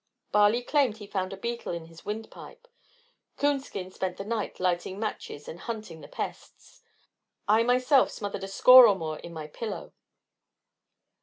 Barley claimed he found a beetle in his windpipe. Coonskin spent the night lighting matches and hunting the pests. I myself smothered a score of more in my pillow.